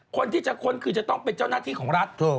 คนที่จะค้นคือจะต้องเป็นเจ้าหน้าที่ของรัฐ